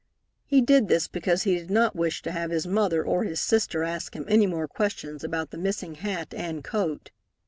He did this because he did not wish to have his mother or his sister ask him any more questions about the missing hat and coat.